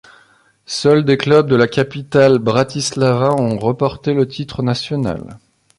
Seuls des club de la capitale Bratislava ont reporté le titre national.